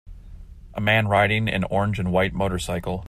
A man riding an orange and white motorcycle.